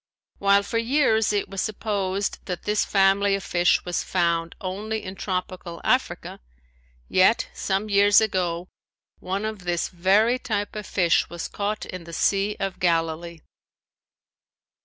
While for years it was supposed that this family of fish was found only in tropical Africa, yet some years ago one of this very type of fish was caught in the sea of Galilee.